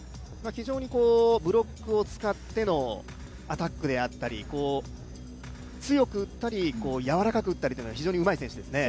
ブロックを使ってのアタックであったり強く打ったり、軟らかく打ったりというのが非常にうまい選手ですね。